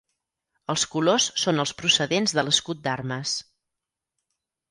Els colors són els procedents de l'escut d'armes.